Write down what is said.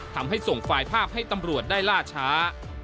ทำให้ส่งไฟล์ภาพให้ตำรวจได้ล่าช้า